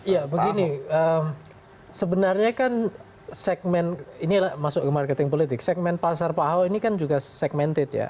ya begini sebenarnya kan segmen ini masuk ke marketing politik segmen pasar pak ahok ini kan juga segmented ya